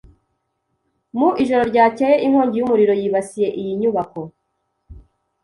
Mu ijoro ryakeye, inkongi y'umuriro yibasiye iyi nyubako.